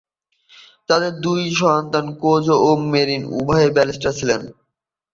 তাদের দুই সন্তান, কোজো ও মেরিন, উভয়েই ব্যারিস্টার ছিলেন।